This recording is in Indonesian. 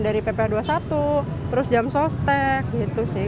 dari pp dua puluh satu terus jam sostek gitu sih